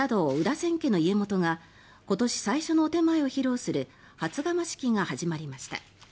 千家の家元が今年最初のお点前を披露する初釜式が始まりました。